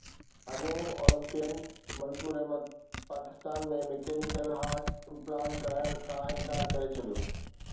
اڳوڻو Olympian Mansoor Ahmed Pakistan ۾ mechanical heart implant ڪرائڻ کان انڪار ڪري ڇڏيو